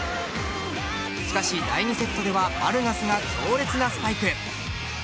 しかし、第２セットではバルガスが強烈なスパイク。